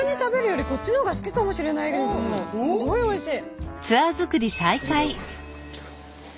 すごいおいしい。